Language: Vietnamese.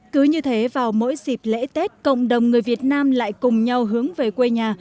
cứ như thế vào mỗi dịp lễ tết cộng đồng người việt nam lại cùng nhau hướng về quê nhà